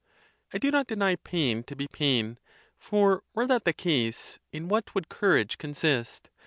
I do not deny pain to be pain—for were that the case, in what would courage consist